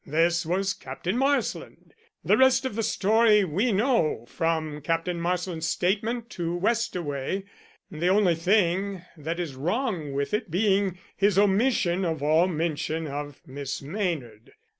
This was Captain Marsland. "The rest of the story we know, from Captain Marsland's statement to Westaway, the only thing that is wrong with it being his omission of all mention of Miss Maynard.